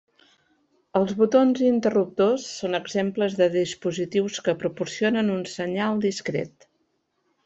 Els botons i interruptors són exemples de dispositius que proporcionen un senyal discret.